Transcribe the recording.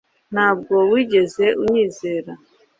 Ntabwo wigeze unyizera